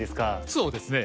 そうですね。